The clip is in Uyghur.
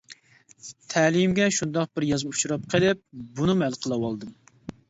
تەلىيىمگە شۇنداق بىر يازما ئۇچراپ قېلىپ، بۇنىمۇ ھەل قىلىۋالدىم.